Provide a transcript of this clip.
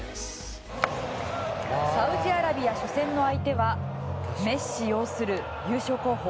サウジアラビア初戦の相手はメッシ擁する優勝候補